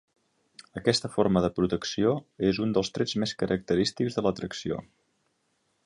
Aquesta forma de protecció és un dels trets més característics de l'atracció.